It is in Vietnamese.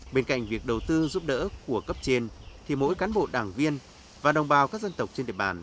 bên cạnh việc đầu tư giúp đỡ của cấp trên thì mỗi cán bộ đảng viên và đồng bào các dân tộc trên địa bàn